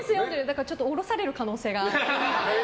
だからちょっと降ろされる可能性が。